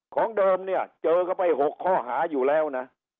ของเดิมเนี่ยเจอเข้าไป๖ข้อหาอยู่แล้วนะ